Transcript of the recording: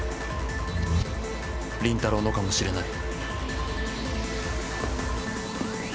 倫太郎のかもしれない。